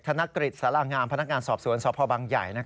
ธนกฤษสารางามพนักงานสอบสวนสพบังใหญ่